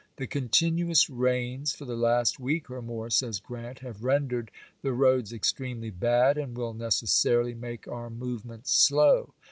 "The continuous rains for the last week or more," says G rant, "have rendered the roads extremely bad, and will necessarily make our movement slow.